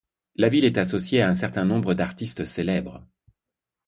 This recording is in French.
La ville est associée à un certain nombre d'artistes célèbres.